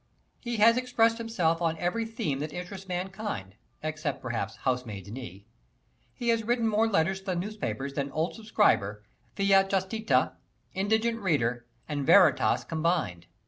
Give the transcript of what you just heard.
He has expressed himself on every theme that interests mankind, except perhaps "housemaid's knee." He has written more letters to the newspapers than "Old Subscriber," "Fiat Justitia," "Indignant Reader" and "Veritas" combined.